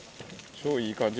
今、いい感じ。